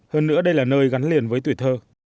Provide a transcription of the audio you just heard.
hơn nữa đây là nơi gắn liền với tuổi thơ